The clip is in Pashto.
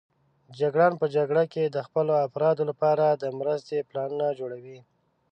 جګړن په جګړه کې د خپلو افرادو لپاره د مرستې پلانونه جوړوي.